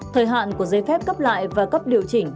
thời hạn của giấy phép cấp lại và cấp điều chỉnh